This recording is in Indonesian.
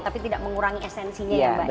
tapi tidak mengurangi esensinya ya mbak ya